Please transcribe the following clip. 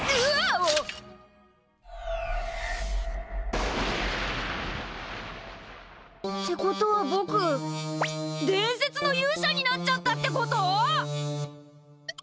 おっ。ってことはぼく伝説の勇者になっちゃったってこと！？